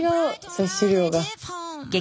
摂取量が。